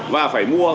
và phải mua